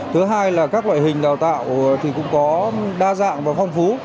thứ hai là các loại hình đào tạo thì cũng có đa dạng và phong phú